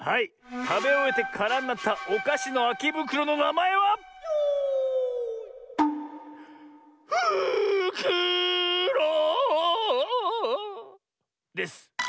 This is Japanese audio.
たべおえてからになったおかしのあきぶくろのなまえは「ふくろ」です。